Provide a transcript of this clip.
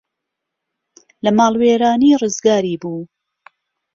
لە ماڵوێرانی ڕزگاری بوو